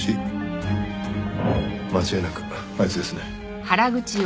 間違いなくあいつですね。